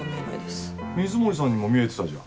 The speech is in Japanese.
水森さんにも見えてたじゃん。